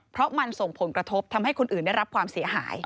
เพราะมันส่งผลกระทบทำให้คนอื่นได้รับความเสียหาย